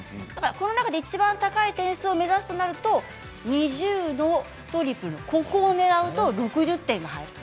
この中でいちばん高い点数を目指すとなると２０のトリプルここを狙うと６０点が入る